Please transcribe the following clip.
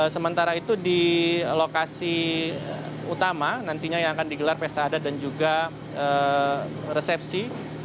sementara itu di lokasi utama nantinya yang akan digelar pesta adat dan juga resepsi